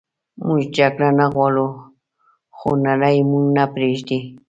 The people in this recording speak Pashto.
موږ جګړه نه غواړو خو نړئ مو نه پریږدي